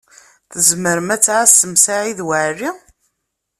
Tzemṛem ad tɛassem Saɛid Waɛli?